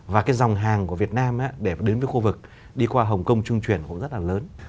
và cái dòng hàng của việt nam để đến với khu vực đi qua hồng kông trung truyền cũng rất là lớn